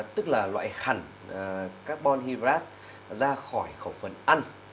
tức là loại khẳng carbon hidrat ra khỏi khẩu phần ăn